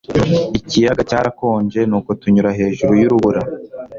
Ikiyaga cyarakonje nuko tunyura hejuru yurubura